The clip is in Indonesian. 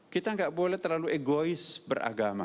kita nggak boleh terlalu egois beragama